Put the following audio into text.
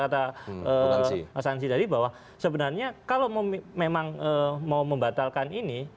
kata mas hansi tadi bahwa sebenarnya kalau memang mau membatalkan ini